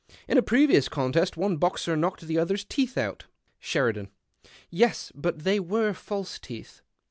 —" In a previons contest one boxer knocked the other's teeth out." Sheridan. —" Yes, but they were false teeth.'